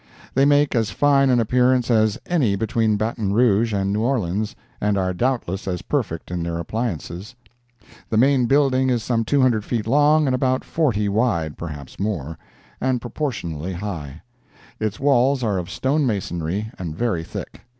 They make as fine an appearance as any between Baton Rouge and New Orleans and are doubtless as perfect in their appliances. The main building is some 200 feet long and about 40 wide (perhaps more) and proportionally high. Its walls are of stone masonry and very thick.